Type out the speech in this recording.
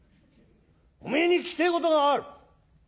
おめえに聞きてえことがある。